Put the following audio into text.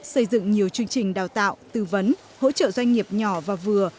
xây dựng nhiều chương trình đào tạo tư vấn hỗ trợ doanh nghiệp nhỏ và vừa